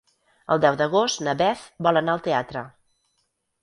El deu d'agost na Beth vol anar al teatre.